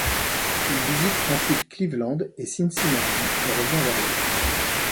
Il visite ensuite Cleveland et Cincinnati et revient vers l'est.